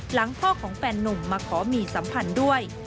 หลังพ่อของแฟนนุ่มมาขอมีสัมพันธ์ด้วย